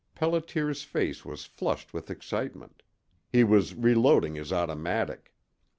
Pelliter's face was flushed with excitement. He was reloading his automatic.